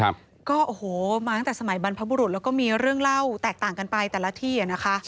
มาตั้งแต่สมัยบรรพบุรุษแล้วก็มีเรื่องเล่าแตกต่างกันไปแต่ละที่